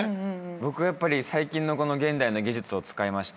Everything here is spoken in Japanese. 僕はやっぱり最近の現代の技術を使いまして。